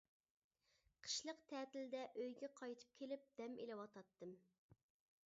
قىشلىق تەتىلدە ئۆيگە قايتىپ كېلىپ دەم ئېلىۋاتاتتىم.